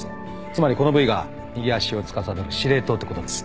つまりこの部位が右足をつかさどる司令塔ってことです。